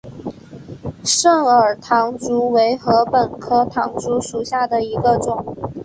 肾耳唐竹为禾本科唐竹属下的一个种。